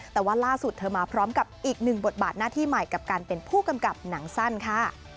แต่ว่าล่าสุดเธอมาพร้อมกับอีกหนึ่งบทบาทหน้าที่ใหม่กับการเป็นผู้กำกับหนังสั้นค่ะ